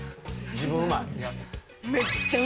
自分、うまい？